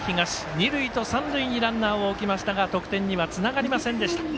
二塁と三塁にランナーを置きましたが得点にはつながりませんでした。